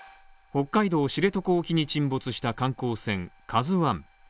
北海道知床沖に沈没した観光船「ＫＡＺＵ１」。